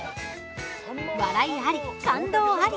笑いあり、感動あり。